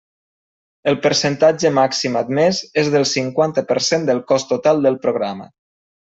El percentatge màxim admès és del cinquanta per cent del cost total del programa.